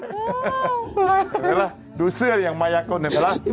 เห็นไหมล่ะดูเสื้ออย่างมายักก็เหนือไปแล้ว